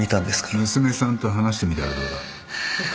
娘さんと話してみたらどうだ？